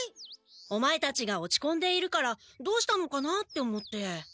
オマエたちが落ちこんでいるからどうしたのかなって思って。